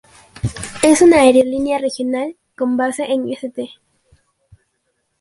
Es una aerolínea regional con base en St.